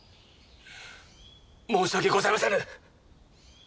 申し訳ございませぬ！